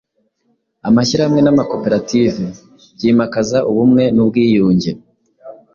Amashyirahamwe n’amakoperative » byimakaza ubumwe n’ubwiyunge,